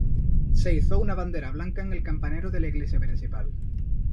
Se izó una bandera blanca en el campanario de la Iglesia principal.